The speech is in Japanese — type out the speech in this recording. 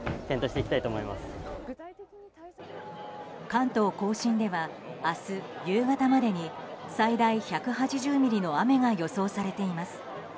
関東・甲信では明日夕方までに最大１８０ミリの雨が予想されています。